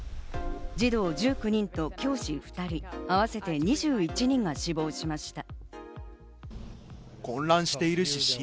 児童１９人と教師２人、合わせて２１人が死亡しました。